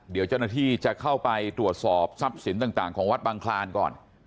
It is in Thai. เดี๋ยวเจ้าหน้าที่จะเข้าไปตรวจสอบทรัพย์สินต่างของวัดบังคลานก่อน